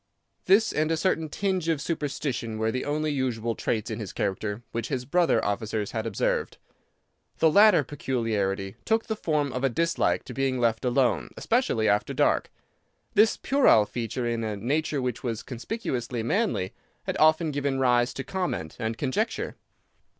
This and a certain tinge of superstition were the only unusual traits in his character which his brother officers had observed. The latter peculiarity took the form of a dislike to being left alone, especially after dark. This puerile feature in a nature which was conspicuously manly had often given rise to comment and conjecture.